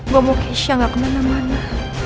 gue mau keisha gak kemana mana